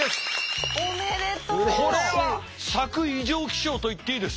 これは咲く異常気象といっていいです。